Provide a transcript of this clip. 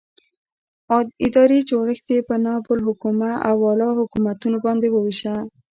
ادارې جوړښت یې په نائب الحکومه او اعلي حکومتونو باندې وویشه.